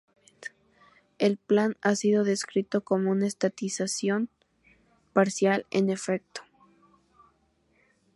El plan ha sido descrito como una estatización parcial, en efecto.